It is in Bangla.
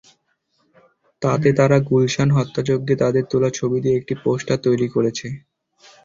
তাতে তারা গুলশান হত্যাযজ্ঞে তাদের তোলা ছবি দিয়ে একটি পোস্টার তৈরি করেছে।